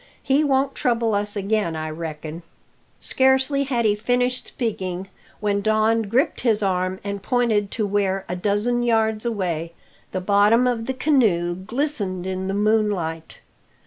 He won't trouble us again, I reckon!" Scarcely had he finished speaking when Don gripped his arm and pointed to where, a dozen yards away, the bottom of the canoe glistened in the moonlight.